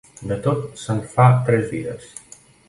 De tot se'n fa tres dies.